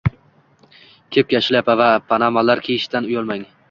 Kepka, shlyapa yoki panamalar kiyishdan uyalmang